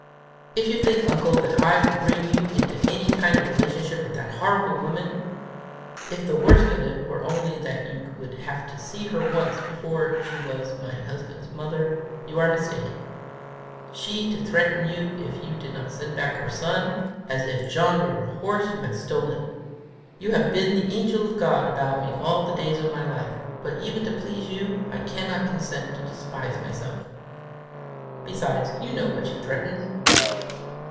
"If you think, uncle, that I will bring you into any kind of relation with that horrible woman, if the worst of it were only that you would have to see her once because she was my husband's mother, you are mistaken. She to threaten you if you did not send back her son, as if John were a horse you had stolen! You have been the angel of God about me all the days of my life, but even to please you, I cannot consent to despise myself. Besides, you know what she threatens!"